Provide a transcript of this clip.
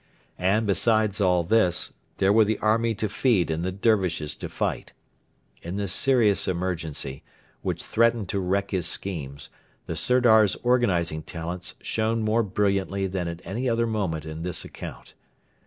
And, besides all this, there were the army to feed and the Dervishes to fight. In this serious emergency, which threatened to wreck his schemes, the Sirdar's organising talents shone more brilliantly than at any other moment in this account.